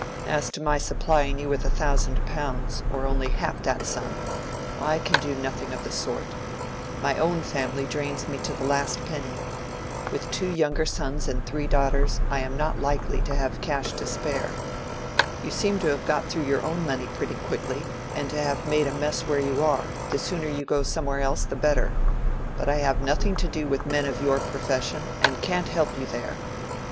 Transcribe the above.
As to my supplying you with a thousand pounds, or only half that sum, I can do nothing of the sort. My own family drains me to the last penny. With two younger sons and three daughters, I am not likely to have cash to spare. You seem to have got through your own money pretty quickly, and to have made a mess where you are; the sooner you go somewhere else the better. But I have nothing to do with men of your profession, and can't help you there.